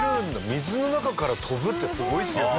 水の中から跳ぶってすごいですよね。